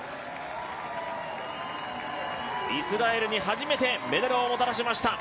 イスラエルに初めてメダルをもたらしました！